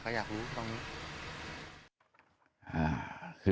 ก็อยากรู้